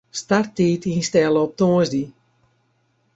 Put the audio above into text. Starttiid ynstelle op tongersdei.